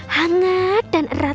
hangat dan erat